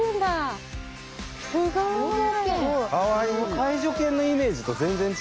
介助犬のイメージと全然違いますね。